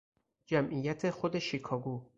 جمعیت خود شیکاگو